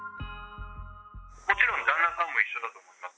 もちろん旦那さんも一緒だと思いますね。